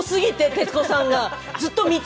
徹子さんを。